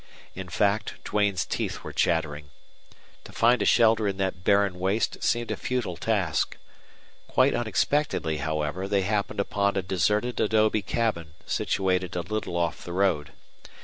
In fact, Duane's teeth were chattering. To find a shelter in that barren waste seemed a futile task. Quite unexpectedly, however, they happened upon a deserted adobe cabin situated a little off the road.